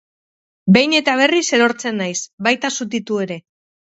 Behin eta berriz erortzen naiz, baita zutitu ere.